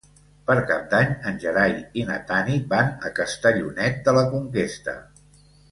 Per Cap d'Any en Gerai i na Tanit van a Castellonet de la Conquesta.